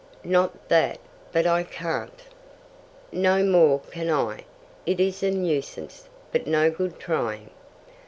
"Not that, but I can't." "No more can I. It is a nuisance, but no good trying."